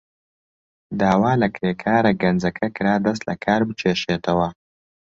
داوا لە کرێکارە گەنجەکە کرا دەست لەکار بکێشێتەوە.